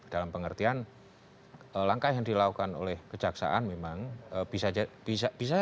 dalam pengertian langkah yang dilakukan oleh kejaksaan memang bisa